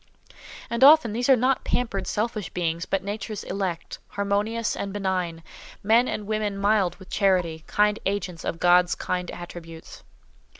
And often, these are not pampered, selfish beings, but Nature's elect, harmonious and benign; men and women mild with charity, kind agents of God's kind attributes.